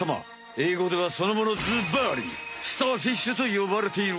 えいごではそのものずばりスターフィッシュとよばれている。